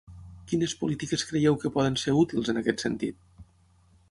Quines polítiques creieu que poden ser útils en aquest sentit?